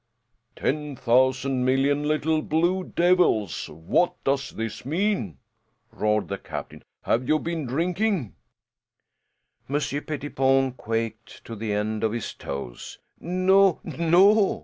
"Ten thousand million little blue devils, what does this mean?" roared the captain. "Have you been drinking?" Monsieur Pettipon quaked to the end of his toes. "No, no!"